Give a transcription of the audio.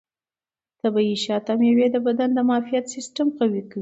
طبیعي شات او مېوې د بدن د معافیت سیستم قوي کوي.